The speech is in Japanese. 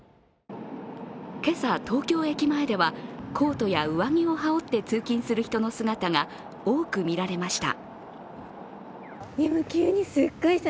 今朝、東京駅前ではコートや上着を羽織って通勤する人の姿が多くみられました。